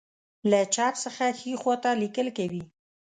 له چپ څخه ښی خواته لیکل کوي.